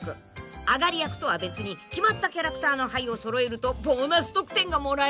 ［あがり役とは別に決まったキャラクターの牌を揃えるとボーナス得点がもらえるぞ］